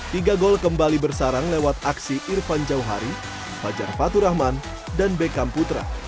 tiga gol kembali bersarang lewat aksi irfan jauhari fajar faturahman dan bekam putra